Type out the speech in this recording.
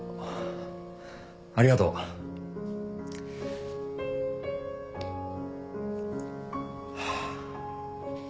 ありがとう。ハァ。